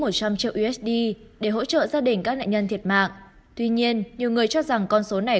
một trăm linh triệu usd để hỗ trợ gia đình các nạn nhân thiệt mạng tuy nhiên nhiều người cho rằng con số này